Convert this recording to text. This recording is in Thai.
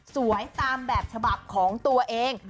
ตามแบบฉบับของตัวเอง